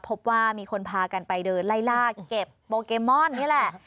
พบว่ามีคนพากันไปเดินไล่ลากเก็บโปเกมอนนี่แหละ